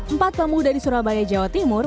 empat pemuda di surabaya jawa timur